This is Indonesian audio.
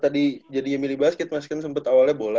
kenapa tadi jadi milih basket mas kan sempet awalnya bola tuh